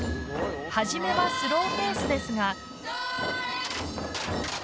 始めはスローペースですが。